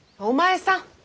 お前さん！